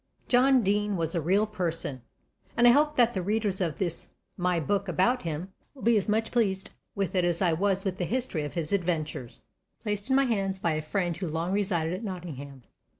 John Deane was a real person, and I hope that the readers of this my book about him will be as much pleased with it as I was with the history of his adventures, placed in my hands by a friend who long resided at Nottingham.